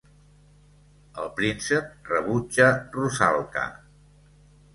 El príncep rebutja Rusalka.